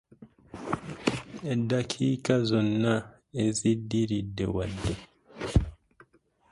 Eddakiika zonna eziddiridde wadde